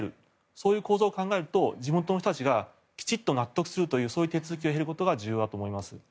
そういう構図を考えると地元の人たちがきちんと納得するそういう手続きを経ることが重要だと思います。